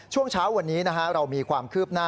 ช่วงเช้าวันนี้เรามีความคืบหน้า